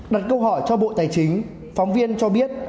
đặt câu hỏi cho bộ tài chính phóng viên cho biết